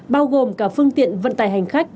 bao gồm cả phương tiện vận tài hành khách